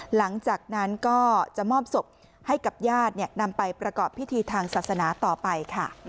หลังจากนั้นก็จะมอบศพให้กับญาตินำไปประกอบพิธีทางศาสนาต่อไปค่ะ